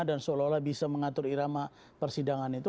dan seolah olah bisa mengatur irama persidangan itu